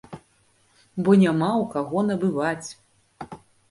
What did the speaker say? Бо няма ў каго набываць!